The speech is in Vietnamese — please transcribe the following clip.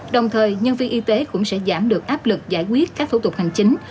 đồng thời nhân viên y tế cũng sẽ giảm được áp lực giải quyết các thủ tục hành chính